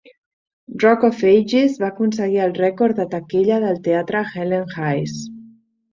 "Rock of Ages" va aconseguir el rècord de taquilla del teatre Helen Hayes.